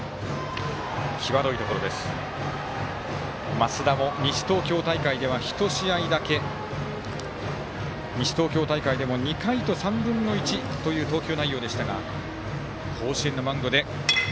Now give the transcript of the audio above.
増田も、西東京大会では１試合だけ西東京大会でも２回と３分の１という投球内容でしたが。